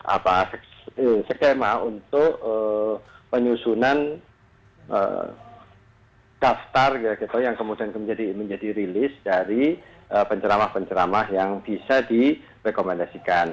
apa skema untuk penyusunan daftar yang kemudian menjadi rilis dari penceramah penceramah yang bisa direkomendasikan